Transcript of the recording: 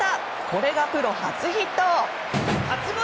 これがプロ初ヒット。